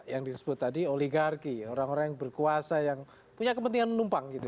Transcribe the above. yang disebut tadi oligarki orang orang yang berkuasa yang punya kepentingan menumpang gitu